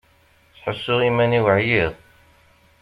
Ttḥussuɣ iman-iw ɛyiɣ.